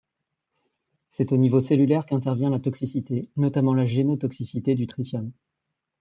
C'est au niveau cellulaire qu'intervient la toxicité et notamment la génotoxicité du tritium.